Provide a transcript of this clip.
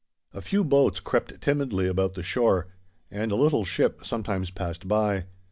A few boats crept timidly about the shore, and a little ship sometimes passed by.